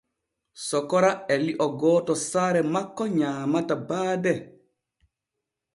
Sokora e lio gooto saare makko nyaamata baade.